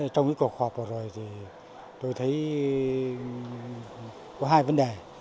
trong cuộc họp vừa rồi tôi thấy có hai vấn đề